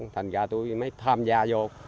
thành ra tôi mới tham gia vô